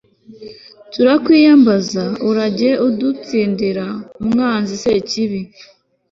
turakwiyambaza, urajye udutsindira umwanzi sekibi